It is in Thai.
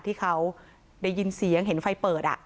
ที่เขาได้ยินเสียงเห็นไฟเปิด